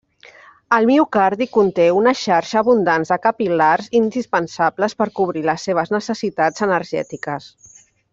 El miocardi conté una xarxa abundant de capil·lars indispensables per cobrir les seves necessitats energètiques.